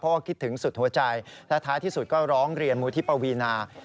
เพราะว่าคิดถึงสุดหัวใจและท้ายที่สุดก็ร้องเรียนมูลที่ปวีนา